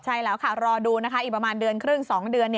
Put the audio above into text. ใช่แล้วค่ะรอดูนะคะอีกประมาณเดือนครึ่ง๒เดือน